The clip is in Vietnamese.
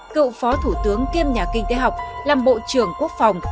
cựu phó thủ tướng kiêm nhà kinh tế học làm bộ trưởng quốc phòng